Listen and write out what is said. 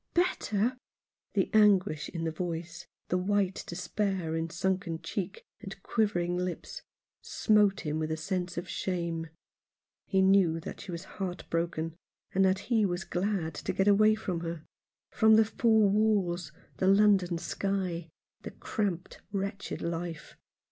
" Better !" The anguish in the voice, the white despair in sunken cheek and quivering lips, smote him with a sense of shame. He knew that she was heart broken, and that he was glad to get away from her ; from the foar walls ; the London sky ; the cramped, wretched life.